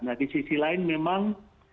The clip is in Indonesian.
nah di sisi lain memang